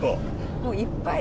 もういっぱい？